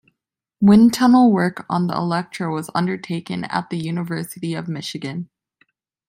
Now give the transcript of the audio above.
Wind tunnel work on the Electra was undertaken at the University of Michigan.